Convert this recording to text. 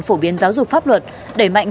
phổ biến giáo dục pháp luật để mạnh